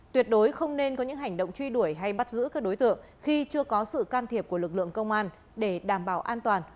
tuyệt đối không nên có những hành động truy đuổi hay bắt giữ các đối tượng khi chưa có sự can thiệp của lực lượng công an để đảm bảo an toàn